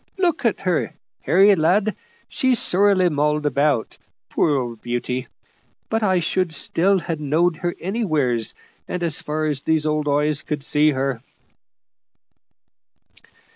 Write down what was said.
Look at her, Harry, lad. She's sorely mauled about, poor old beauty, but I should still ha' knowed her anywheres, as far as these old eyes could see her."